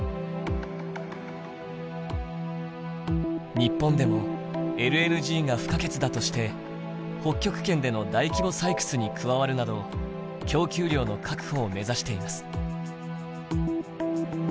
日本でもＬＮＧが不可欠だとして北極圏での大規模採掘に加わるなど供給量の確保を目指しています。